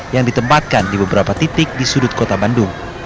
yang ditempatkan di beberapa titik di sudut kota bandung